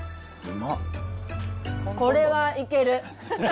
これはいける。